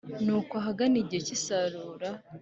Nuko ahagana igihe cy’isarura,